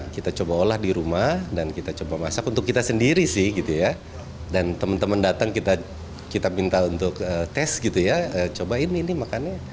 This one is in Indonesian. kita coba olah di rumah dan kita coba masak untuk kita sendiri sih gitu ya dan teman teman datang kita minta untuk tes gitu ya cobain ini makannya